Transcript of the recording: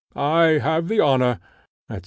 I have the honour," &c.